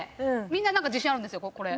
みんな何か自信あるんですよこれ。